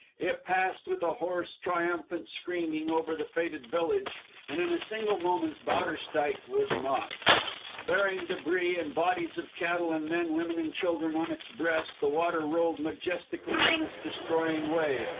It passed with a hoarse triumphant screaming over the fated village, and in a single moment Bowderstyke was not. Bearing débris and bodies of cattle and men, women and children on its breast, the water rolled majestically on its destroying way.